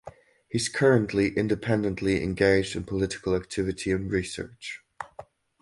He is currently independently engaged in political activity and research.